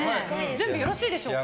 準備よろしいでしょうか。